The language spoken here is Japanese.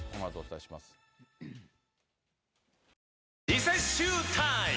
リセッシュータイム！